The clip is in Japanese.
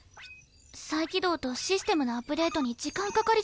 再起動とシステムのアップデートに時間かかりそう。